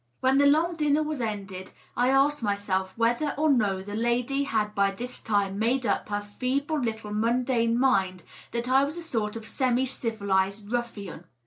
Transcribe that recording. When the long dinner was ended, I asked myself whether or no the lady had by this time made up her feeble little mundane mind that I was a sort of semi civilized ruffian.